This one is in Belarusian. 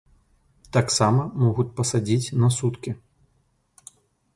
Таксама могуць пасадзіць на суткі.